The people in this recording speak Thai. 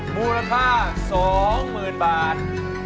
มูลค่า๒๐๐๐๐บาท